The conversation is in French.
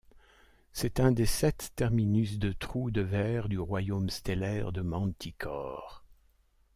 C'est un des sept terminus de trou de ver du Royaume stellaire de Manticore.